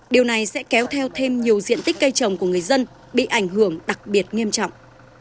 điều này sẽ kéo theo thêm nhiều diện tích cây trồng của người dân bị ảnh hưởng đặc biệt nghiêm trọng